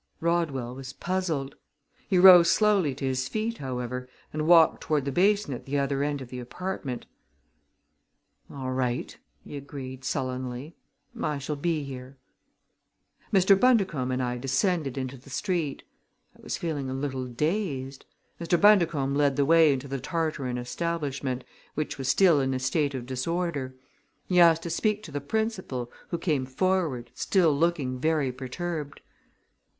Rodwell was puzzled. He rose slowly to his feet, however, and walked toward the basin at the other end of the apartment. "All right!" he agreed sullenly. "I shall be here." Mr. Bundercombe and I descended into the street. I was feeling a little dazed. Mr. Bundercombe led the way into the Tarteran establishment, which was still in a state of disorder. He asked to speak to the principal, who came forward, still looking very perturbed.